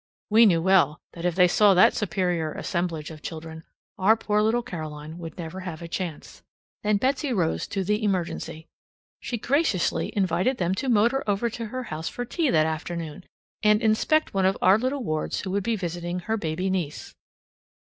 We knew well that, if they saw that superior assemblage of children, our poor little Caroline would never have a chance. Then Betsy rose to the emergency. She graciously invited them to motor over to her house for tea that afternoon and inspect one of our little wards who would be visiting her baby niece.